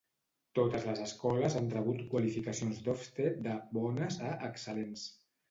Totes les escoles han rebut qualificacions d'Ofsted de "bones" a "excel·lents".